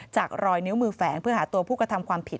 จากรอยนิ้วมือแฝงเพื่อหาตัวผู้กระทำความผิด